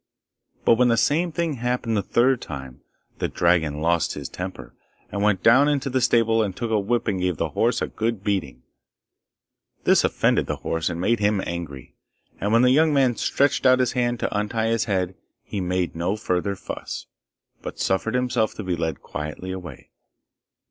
But when the same thing happened the third time, the dragon lost his temper, and went down into the stable and took a whip and gave the horse a good beating. This offended the horse and made him angry, and when the young man stretched out his hand to untie his head, he made no further fuss, but suffered himself to be led quietly away.